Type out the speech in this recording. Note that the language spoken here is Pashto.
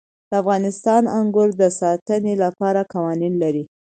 افغانستان د انګور د ساتنې لپاره قوانین لري.